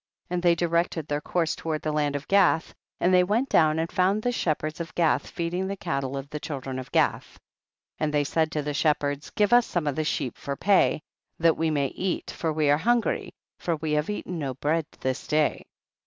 6. And they directed their course toward the land of Gath, and they went down and found the shepherds of Gath feeding the cattle of the chil dren of Gath. 7. And they said to the shepherds, give us some of the sheep for pay, that we may eat, for we are hungry, for we have eaten no bread this day.